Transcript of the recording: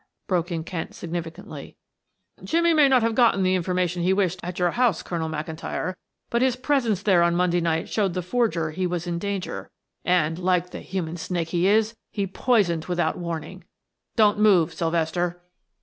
broke in Kent significantly. "Jimmie may not have gotten the information he wished at your house, Colonel McIntyre, but his presence there on Monday night showed the forger he was in danger, and like the human snake he is, he poisoned without warning. Don't move Sylvester!"